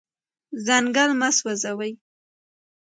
ځنګل مه سوځوئ.